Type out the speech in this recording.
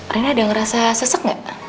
rini ada ngerasa sesek nggak